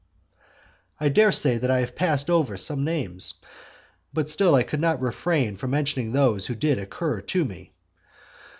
I dare say that I have passed over some names; but still I could not refrain from mentioning those who did occur to me.